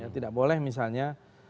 tidak boleh misalnya